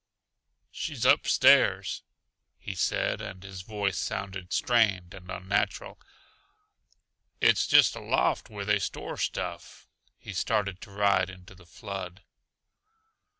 "She's upstairs," he said, and his voice sounded strained and unnatural. "It's just a loft where they store stuff." He started to ride into the flood.